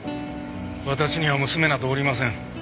私には娘などおりません。